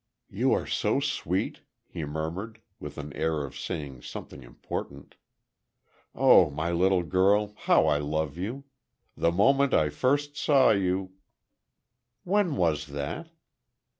"You are so sweet," he murmured, with an air of saying something important. "Oh, my Little Girl, how I love you! The moment I first saw you—" "When was that?"